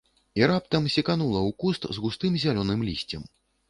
І раптам секанула ў куст з густым зялёным лісцем.